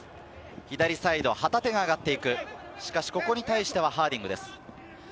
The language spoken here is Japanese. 左サイド、旗手が上がっていく、しかしここに対してはハーディングです。